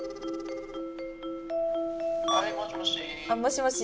はいもしもし。